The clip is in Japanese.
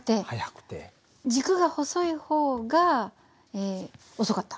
軸が細い方が遅かった。